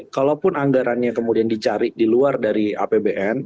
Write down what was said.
kalaupun anggarannya kemudian dicari di luar dari apbn